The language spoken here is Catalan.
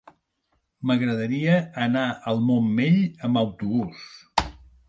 M'agradaria anar al Montmell amb autobús.